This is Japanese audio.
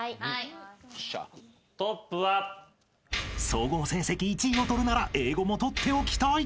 ［総合成績１位を取るなら英語も取っておきたい］